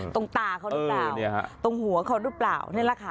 ตรงตาเขารึเปล่าตรงหัวเขารึเปล่านี่แหละค่ะ